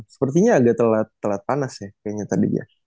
sepertinya agak telat panas ya kayaknya tadi ya